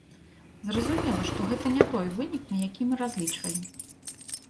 Зразумела, што гэта не той вынік, на які мы разлічвалі.